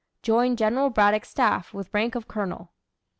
Joined General Braddock's staff with rank of colonel.